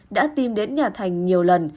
đã tìm đến nhà thành nhiều lần